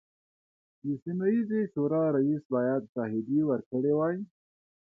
د سیمه ییزې شورا رییس باید شاهدې ورکړي وای.